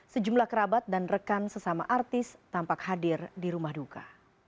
sejumlah kerabat dan rekan sesama artis tampak hadir di rumah duka